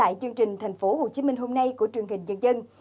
lại chương trình thành phố hồ chí minh hôm nay của truyền hình dân dân